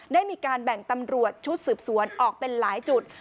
ได้มีการแบ่งตำรวจชุดสืบสวนออกเป็นหลายจุด